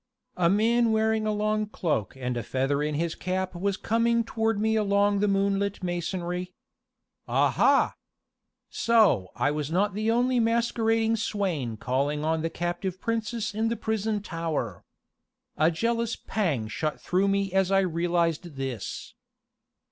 A man wearing a long cloak and a feather in his cap was coming toward me along the moonlit masonry. Aha! So I was not the only masquerading swain calling on the captive princess in the prison tower. A jealous pang shot through me as I realized this.